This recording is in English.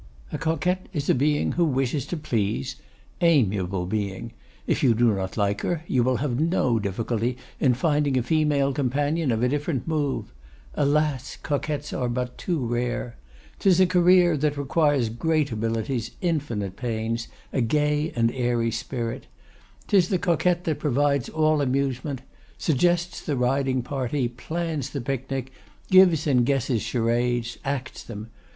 A coquette is a being who wishes to please. Amiable being! If you do not like her, you will have no difficulty in finding a female companion of a different mood. Alas! coquettes are but too rare. 'Tis a career that requires great abilities, infinite pains, a gay and airy spirit. 'Tis the coquette that provides all amusement; suggests the riding party, plans the picnic, gives and guesses charades, acts them.